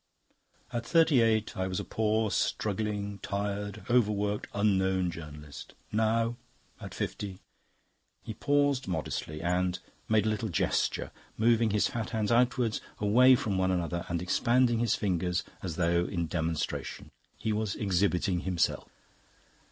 "At thirty eight I was a poor, struggling, tired, overworked, unknown journalist. Now, at fifty..." He paused modestly and made a little gesture, moving his fat hands outwards, away from one another, and expanding his fingers as though in demonstration. He was exhibiting himself.